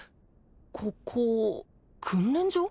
ここ訓練場？